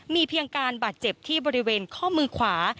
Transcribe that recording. มีเพียงการบาดเจ็บที่บริเวณข้อมือขวา